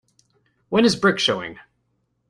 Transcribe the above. When is Brick showing